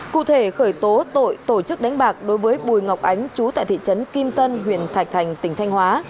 cụ thể khởi tố tội tổ chức đánh bạc đối với bùi ngọc ánh chú tại thị trấn kim tân huyện thạch thành tỉnh thanh hóa